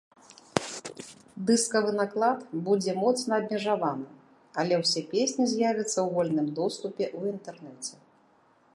Дыскавы наклад будзе моцна абмежаваны, але ўсе песні з'явяцца ў вольным доступе ў інтэрнэце.